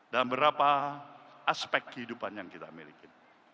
dan berapa aspek kehidupan yang kita miliki